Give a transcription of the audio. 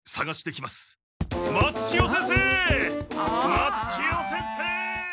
松千代先生！